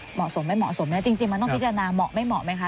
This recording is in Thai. เหมาะสมไม่เหมาะสมจริงมันต้องพิจารณาเหมาะไม่เหมาะไหมคะ